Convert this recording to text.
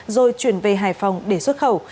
rồi chuyển về hải phòng để xuất khẩu